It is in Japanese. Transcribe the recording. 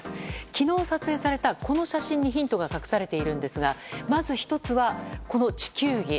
昨日撮影されたこの写真にヒントが隠されているんですがまず１つは、この地球儀。